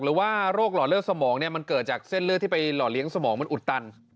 หรือว่าโรคหล่อเลือดสมองเนี่ยมันเกิดจากเส้นเลือดที่ไปหล่อเลี้ยงสมองมันอุดตัน